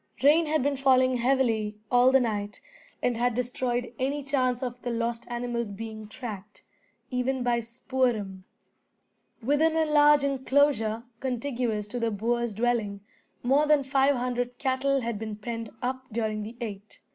Rain had been falling heavily all the night, and had destroyed any chance of the lost animals being tracked, even by Spoor'em. Within a large enclosure, contiguous to the boer's dwelling, more than five hundred cattle had been penned up during the eight.